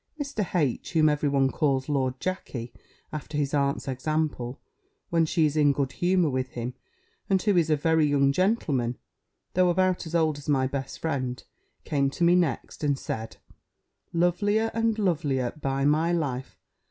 Mr. H., whom every one calls Lord Jackey, after his aunt's example, when she is in good humour with him, and who is a very young gentleman, though about as old as my best friend, came to me next, and said, "Lovelier and lovelier, by my life!